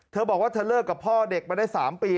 เธอบอกว่าเธอเลิกกับพ่อเด็กมาได้๓ปี